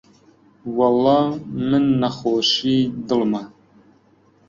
وەڵڵا من نەخۆشیی دڵمە